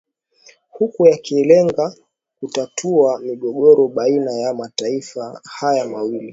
huku yakilenga kutatua migogoro baina ya mataifa haya mawili